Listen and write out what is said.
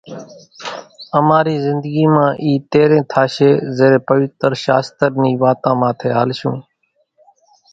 اماري زندگي مان اِي تيرين ٿاشي زيرين پويتر شاستر ني واتان ماٿي ھالشون